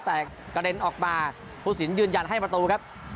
แต่กระเด็นออกมาผู้สินยืนยันให้ประตูครับ